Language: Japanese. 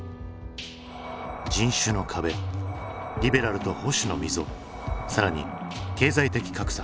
人種の壁リベラルと保守の溝更に経済的格差。